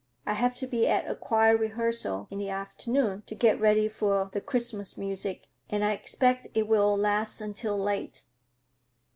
"I have to be at a choir rehearsal in the afternoon, to get ready for the Christmas music, and I expect it will last until late."